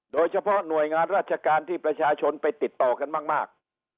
โดยเฉพาะหน่วยงานราชการที่ประชาชนไปติดต่อกันมาก